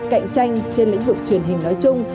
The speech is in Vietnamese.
cạnh tranh trên lĩnh vực truyền hình nói chung